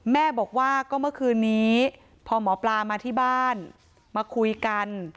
แม่บอกว่าก็เมื่อคืนนี้พอหมอปลามาที่บ้านมาคุยกัน